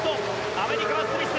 アメリカはスミス。